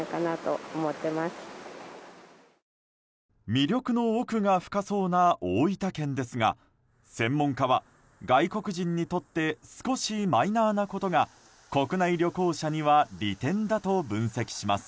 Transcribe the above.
魅力の奥が深そうな大分県ですが専門家は外国人にとって少しマイナーなことが国内旅行者には利点だと分析します。